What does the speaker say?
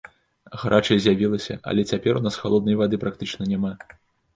Гарачая з'явілася, але цяпер у нас халоднай вады практычна няма.